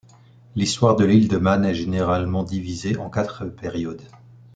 L’histoire de l’île de Man est généralement divisée en quatre périodes.